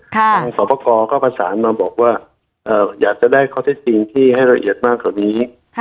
ทางสอบประกอบก็ประสานมาบอกว่าอยากจะได้ข้อเท็จจริงที่ให้ละเอียดมากกว่านี้